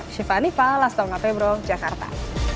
shivani pallas tonga februar jakarta